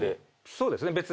そうですね。